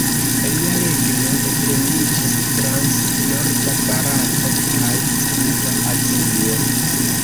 Lia regno etendiĝis trans norda Barato kaj centra Azio.